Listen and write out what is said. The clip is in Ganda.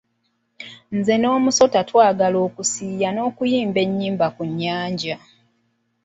Nze n'omusota twagala okusiiya n'okuyimba enyimba ku nyanja.